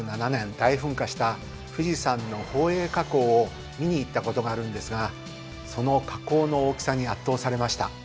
大噴火した富士山の宝永火口を見に行ったことがあるんですがその火口の大きさに圧倒されました。